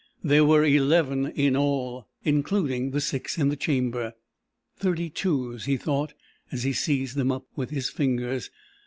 There were eleven in all, including the six in the chamber. "Thirty twos," he thought, as he seized them up with his fingers.